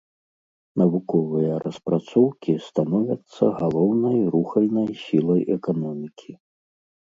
Навуковыя распрацоўкі становяцца галоўнай рухальнай сілай эканомікі.